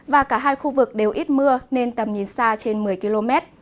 và cả hai khu vực đều ít mưa nên tầm nhìn xa trên một mươi km